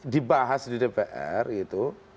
dibahas di dpr itu